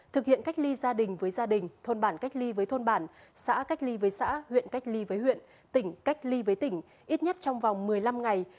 thực hiện cách ly gia đình với gia đình thôn bản cách ly với thôn bản xã cách ly với xã huyện cách ly với huyện tỉnh cách ly với tỉnh ít nhất trong vòng một mươi năm ngày